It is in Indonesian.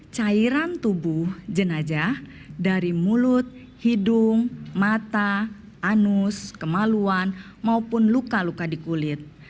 cairan tubuh jenajah dari mulut hidung mata anus kemaluan maupun luka luka di kulit